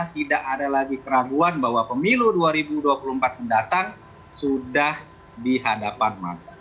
tidak ada lagi keraguan bahwa pemilu dua ribu dua puluh empat mendatang sudah di hadapan